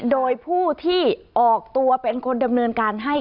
โดยผู้ที่ออกตัวเป็นคนดำเนินการให้